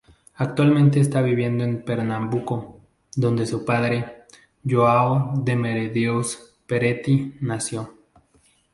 Actualmente está viviendo en Pernambuco, donde su padre, João de Medeiros Peretti, nació.